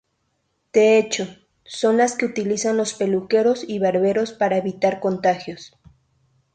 De hecho, son las que utilizan los peluqueros y barberos para evitar contagios.